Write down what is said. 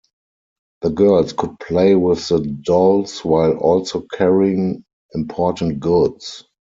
The girls could play with the dolls while also carrying important goods.